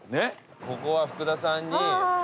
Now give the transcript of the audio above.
ここは福田さんに。